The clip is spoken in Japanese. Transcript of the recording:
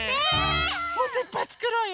もっといっぱいつくろうよ。